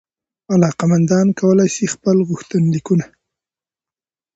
علاقمندان کولای سي خپل غوښتنلیکونه